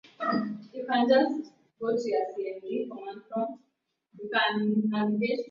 Kiongozi wa kundi hilo Sultani Makenga anaaminika kurudi Jamuhuri ya kidemokrasia ya kongo na badhi